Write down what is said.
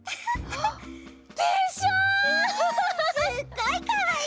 すっごいかわいい！